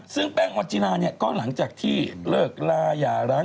ซึ่งแป้งออนจิลาเนี่ยก็หลังจากที่เลิกลาอย่าร้าง